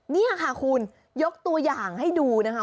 นี่ค่ะคุณยกตัวอย่างให้ดูนะคะ